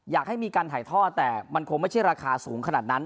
อยากให้มีการถ่ายท่อแต่มันคงไม่ใช่ราคาสูงขนาดนั้น